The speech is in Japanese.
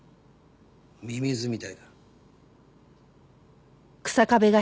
ミミズみたいだ。